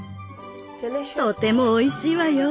とてもおいしいわよ。